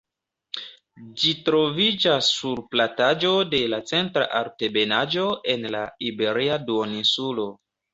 Ĝi troviĝas sur plataĵo de la Centra Altebenaĵo en la Iberia duoninsulo.